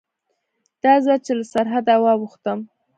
دا ځل چې له سرحده واوښتم.